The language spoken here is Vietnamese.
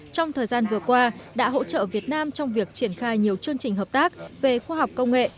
trong thời gian vừa qua đã hỗ trợ việt nam trong việc triển khai nhiều chương trình hợp tác về khoa học công nghệ